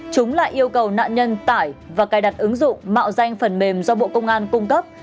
chúng lại yêu cầu nạn nhân tải và cài đặt ứng dụng mạo danh phần mềm do bộ công an cung cấp